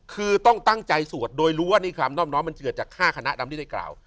คือต้องตั้งใจสวดโดยรู้ว่านี่ความน่อมน้อมมันเกิดจาก๕คณะดำที่ได้กล่าว